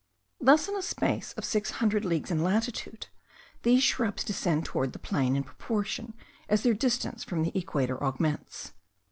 Thus in a space of six hundred leagues in latitude, these shrubs descend towards the plains in proportion as their distance from the equator augments.